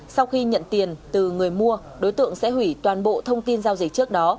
sau khi nhận tiền từ người mua đối tượng sẽ hủy toàn bộ thông tin giao dịch trước đó